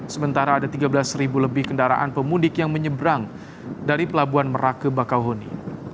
sementara ada tiga belas lebih kendaraan pemudik yang menyeberang dari pelabuhan merak ke bakauheni